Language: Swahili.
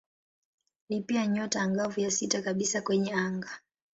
Ni pia nyota angavu ya sita kabisa kwenye anga.